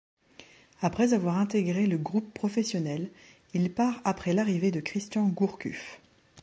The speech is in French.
Après avoir intégré le groupe professionnel, il part après l'arrivée de Christian Gourcuff.